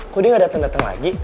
kok dia gak dateng dateng lagi